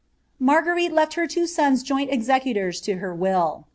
Marguerite left her iwo sona joint executors to her will.